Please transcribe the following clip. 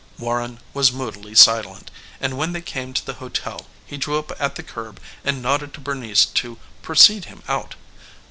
Warren was moodily silent, and when they came to the hotel he drew up at the curb and nodded to Bernice to precede him out.